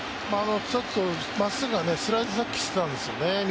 ちょっとまっすぐがスライドがさっき来てたんですよね